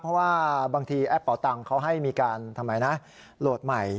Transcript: เพราะว่าบางทีแอปเป๋าตังเขาให้มีการโหลดใหม่